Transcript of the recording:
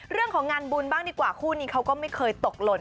เรื่องของงานบุญบ้างดีกว่าคู่นี้เขาก็ไม่เคยตกหล่น